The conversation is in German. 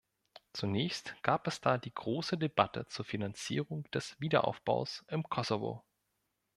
Zunächst gab es da die große Debatte zur Finanzierung des Wiederaufbaus im Kosovo.